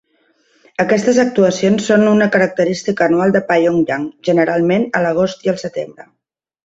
Aquestes actuacions són ara una característica anual a Pyongyang, generalment a l'agost i al setembre.